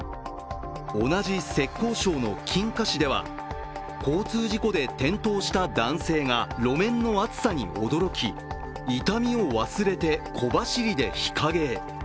同じ浙江省の金華市では交通事故で転倒した男性が路面の熱さに驚き、痛みを忘れて小走りで日陰へ。